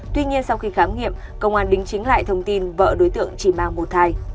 tuy nhiên sau khi khám nghiệm công an đính chính lại thông tin vợ đối tượng chỉ mang một thai